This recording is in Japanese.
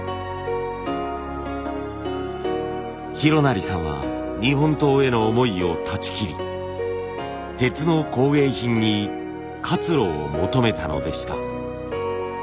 洋也さんは日本刀への思いを断ち切り鉄の工芸品に活路を求めたのでした。